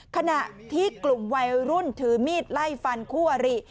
ขณะที่กลุ่มวัยรุ่นถือมีดไล่ฟันคู่อริ